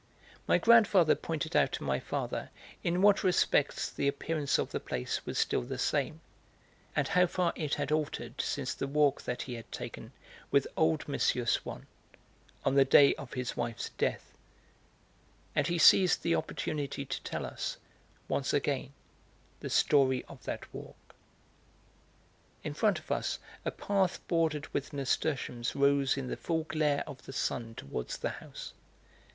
My grandfather pointed out to my father in what respects the appearance of the place was still the same, and how far it had altered since the walk that he had taken with old M. Swann, on the day of his wife's death; and he seized the opportunity to tell us, once again, the story of that walk. In front of us a path bordered with nasturtiums rose in the full glare of the sun towards the house.